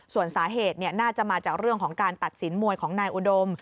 ส่วนสาเหตุน่าจะมาจากเรื่องของการตัดสินมวยของนายอุดม